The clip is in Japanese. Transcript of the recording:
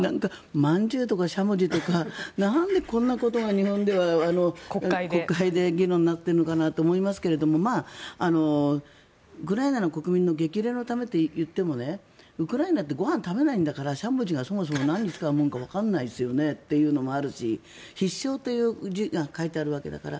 まんじゅうとかしゃもじとかなんでこんなことが日本では国会で議論になっているのかなと思いますがウクライナの国民の激励のためといってもウクライナってご飯食べないんだからしゃもじは、そもそも何に使うものかもわからないですよねというのもあるし必勝という字が書いてあるから。